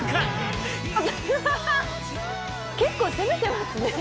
結構攻めてますね。